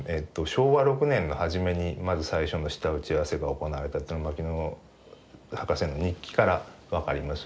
昭和６年の初めにまず最初の下打ち合わせが行われたというのが牧野博士の日記から分かります。